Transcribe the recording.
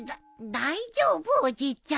大丈夫おじいちゃん。